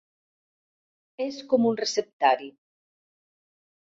És com un receptari.